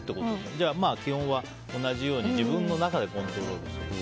じゃあ、基本は同じように自分の中でコントロールすると。